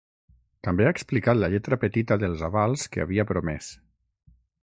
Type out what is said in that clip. També ha explicat la lletra petita dels avals que havia promès.